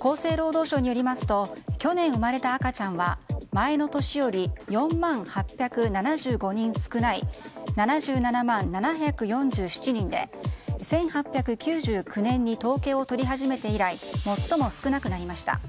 厚生労働省によりますと去年生まれた赤ちゃんは前の年より４万８７５人少ない７７万７４７人で１８９９年に統計を取り始めて以来最も少なくなりました。